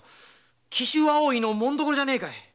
紀州葵の紋所じゃねえか！